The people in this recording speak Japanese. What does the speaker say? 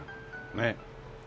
ねえ。